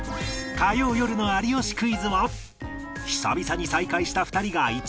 火曜よるの『有吉クイズ』は久々に再会した２人が１枚の絵を描く